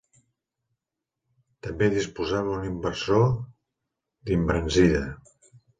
També disposava un inversor d'embranzida.